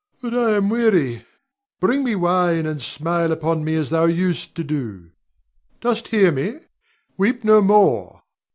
But I am weary; bring me wine, and smile upon me as thou used to do. Dost hear me? Weep no more.